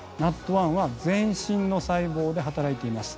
ＮＡＴ１は全身の細胞で働いています。